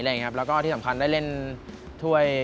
แล้วก็ที่สำคัญได้เล่นถ้วย